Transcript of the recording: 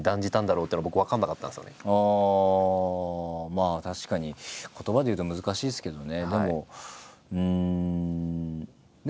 まあ確かに言葉で言うと難しいですけどね。